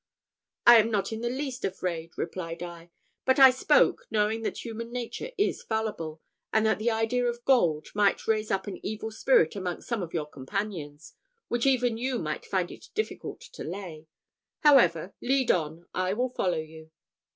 "I am not the least afraid," replied I: "but I spoke, knowing that human nature is fallible; and that the idea of gold might raise up an evil spirit amongst some of your companions, which even you might find it difficult to lay. However, lead on, I will follow you."